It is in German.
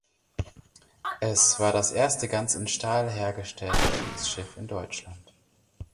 Es war das erste ganz in Stahl hergestellte Kriegsschiff in Deutschland.